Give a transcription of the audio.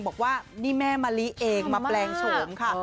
บอกว่านี่แม่มะลิเองมาแปลงโฉมค่ะ